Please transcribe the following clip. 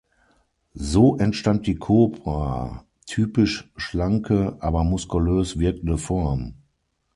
So entstand die Cobra-typisch schlanke, aber muskulös wirkende Form.